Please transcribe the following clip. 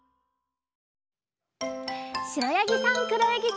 しろやぎさんくろやぎさん。